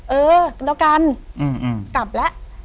เออแล้วกันกลับแล้ว